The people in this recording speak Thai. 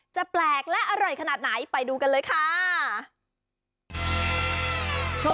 แปลกและอร่อยขนาดไหนไปดูกันเลยค่ะ